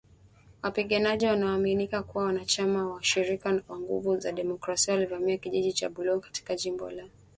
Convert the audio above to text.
Wapiganaji wanaoaminika kuwa wanachama wa Washirika wa Nguvu za Kidemokrasia walivamia kijiji cha Bulongo katika jimbo la Kivu kaskazini